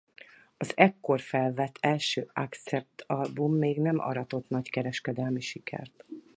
Az ekkor felvett első Accept-album még nem aratott nagy kereskedelmi sikert.